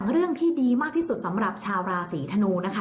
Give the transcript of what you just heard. เรื่องที่ดีมากที่สุดสำหรับชาวราศีธนูนะคะ